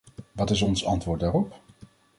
Wat is ons antwoord daarop?